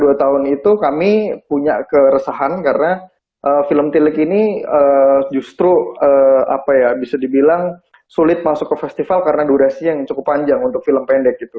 dua tahun itu kami punya keresahan karena film tilik ini justru bisa dibilang sulit masuk ke festival karena durasi yang cukup panjang untuk film pendek gitu